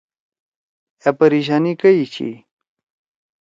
أ پریِشانی کئی چھی؟